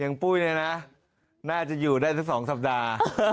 ปุ้ยเนี่ยนะน่าจะอยู่ได้สัก๒สัปดาห์